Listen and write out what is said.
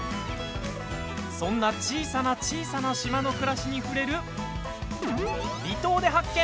そんな小さな小さな島の暮らしに触れる「離島で発見！